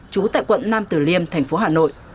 trú tại quận nam tử liêm thành phố hà nội